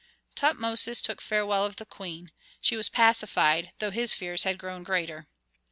Tutmosis took farewell of the queen. She was pacified, though his fears had grown greater.